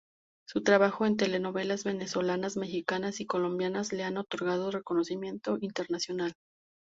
Su trabajo en telenovelas venezolanas, mexicanas y colombianas le han otorgado reconocimiento internacional.